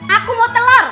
aku mau telur